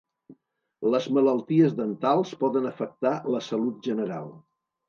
Les malalties dentals poden afectar la salut general.